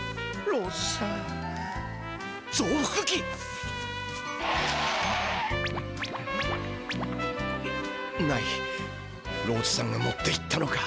ローズさんが持っていったのか。